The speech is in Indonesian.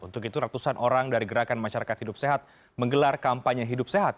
untuk itu ratusan orang dari gerakan masyarakat hidup sehat menggelar kampanye hidup sehat